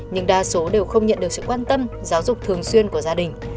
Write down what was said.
nhưng đa số đều không nhận được sự quan tâm giáo dục thường xuyên của gia đình